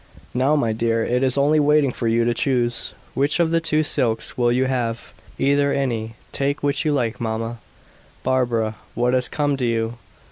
"Now, my dear, it is only waiting for you to choose. Which of the two silks will you have?" "Either any. Take which you like, mamma." "Barbara, what has come to you?"